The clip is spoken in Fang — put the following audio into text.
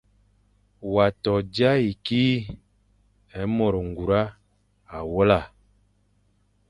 Wa to dia ye kî e mo ñgura awela ?